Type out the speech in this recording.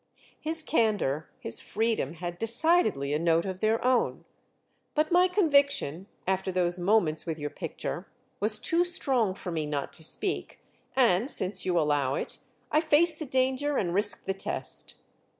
His candour, his freedom had decidedly a note of their own. "But my conviction, after those moments with your picture, was too strong for me not to speak—and, since you allow it, I face the danger and risk the test."